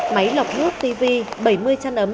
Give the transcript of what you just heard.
máy lọc hút tv bảy mươi chăn ấm